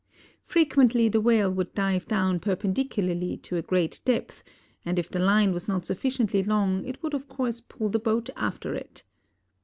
Frequently the whale would dive down perpendicularly to a great depth and if the line was not sufficiently long it would of course pull the boat after it.